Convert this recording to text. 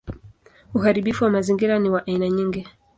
Uharibifu wa mazingira ni wa aina nyingi.